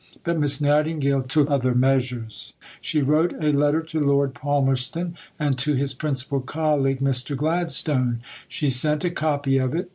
But Miss Nightingale took other measures. She wrote a letter to Lord Palmerston, and to his principal colleague, Mr. Gladstone, she sent a copy of it.